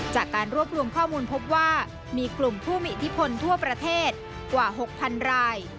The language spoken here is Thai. จากการรวบรวมข้อมูลพบว่ามีกลุ่มผู้มีอิทธิพลทั่วประเทศกว่า๖๐๐๐ราย